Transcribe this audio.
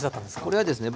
これはですね